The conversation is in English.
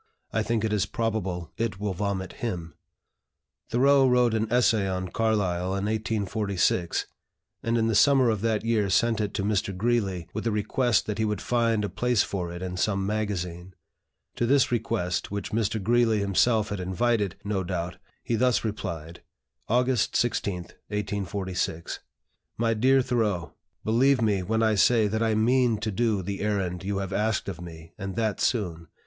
I think it is probable it will vomit him." Thoreau wrote an essay on Carlyle in 1846, and in the summer of that year sent it to Mr. Greeley, with a request that he would find a place for it in some magazine. To this request, which Mr. Greeley himself had invited, no doubt, he thus replied: "August 16, 1846. "MY DEAR THOREAU, Believe me when I say that I mean to do the errand you have asked of me, and that soon.